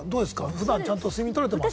普段ちゃんと睡眠取れてます？